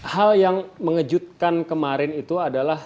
hal yang mengejutkan kemarin itu adalah